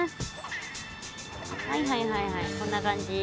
はいはいはいはいこんな感じ。